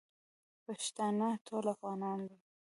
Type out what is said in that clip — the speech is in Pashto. پښتانه ټول افغانان دی.